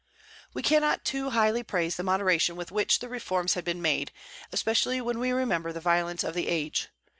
We cannot too highly praise the moderation with which the reforms had been made, especially when we remember the violence of the age.